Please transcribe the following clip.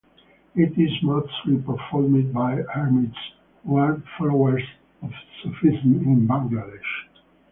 It is mostly performed by hermits who are followers of Sufism in Bangladesh.